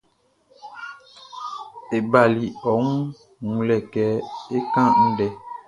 E bali ɔ wun wunlɛ kɛ é kán ndɛ.